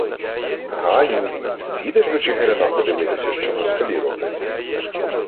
— Ганю! Підеш до Чигирина подивитися, що москалі роблять?